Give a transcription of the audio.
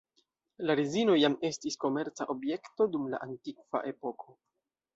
La rezino jam estis komerca objekto dum la Antikva epoko.